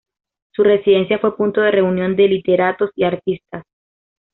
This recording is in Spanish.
Su residencia fue punto de reunión de literatos y artistas.